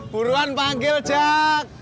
buruan panggil cak